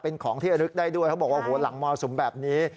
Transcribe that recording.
เป็นของที่ระลึกได้ด้วยเขาบอกว่าโอ้โหหลังมรสุมแบบนี้